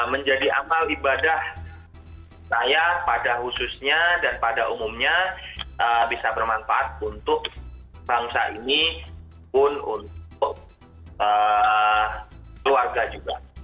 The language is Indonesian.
menjadi amal ibadah saya pada khususnya dan pada umumnya bisa bermanfaat untuk bangsa ini pun untuk keluarga juga